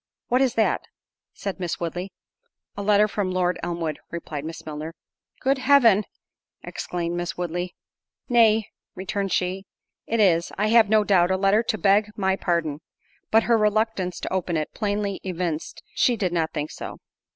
"What is that?" said Miss Woodley. "A letter from Lord Elmwood," replied Miss Milner. "Good Heaven!" exclaimed Miss Woodley. "Nay," returned she, "it is, I have no doubt, a letter to beg my pardon." But her reluctance to open it plainly evinced she did not think so.